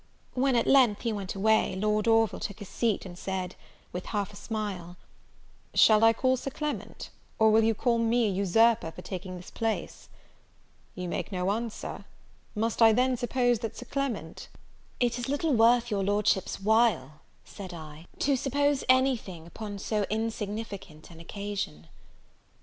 When at length he went away, Lord Orville took his seat, and said, with a half smile, "Shall I call Sir Clement, or will you call me an usurper for taking this place? You make me no answer? Must I then suppose that Sir Clement " "It is little worth your Lordship's while," said I, "to suppose any thing upon so insignificant an occasion."